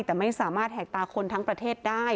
แต่ไม่สามารถแหกตาคนทั้งประเทศได้